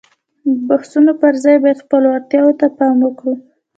د بحثونو پر ځای باید خپلو اړتياوو ته پام وکړو.